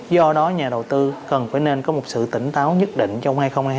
do đó nhà đầu tư cần phải nên có một sự tỉnh táo nhất định trong hai nghìn hai mươi hai